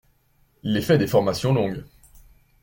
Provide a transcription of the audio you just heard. L’effet des formations longues.